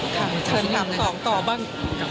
ค่ะเชิญถามสองต่อบ้าง